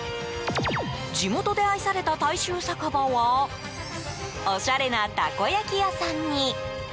地元で愛された大衆酒場はおしゃれなたこ焼き屋さんに。